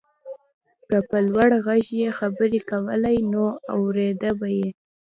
که په لوړ غږ يې خبرې کولای نو اورېده يې.